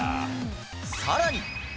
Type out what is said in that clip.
さらに。